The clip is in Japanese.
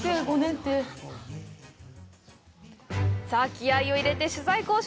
気合いを入れて取材交渉。